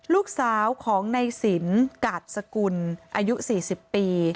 ลูกสาวของในสินกาดสกุลอายุ๔๐ปี